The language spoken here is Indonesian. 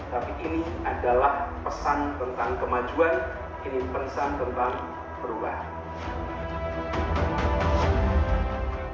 tapi ini adalah pesan tentang kemajuan ingin pesan tentang perubahan